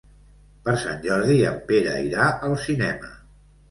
Per Sant Jordi en Pere irà al cinema.